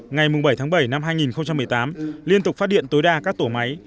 ngày bảy tháng bảy năm hai nghìn một mươi tám liên tục phát điện tối đa các tổ máy